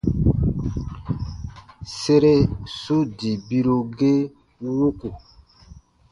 Sere su dii biru ge wuku.